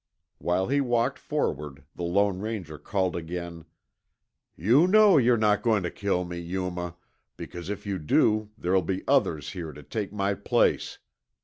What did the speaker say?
While he walked forward, the Lone Ranger called again, "You know you're not going to kill me, Yuma, because if you do there'll be others here to take my place.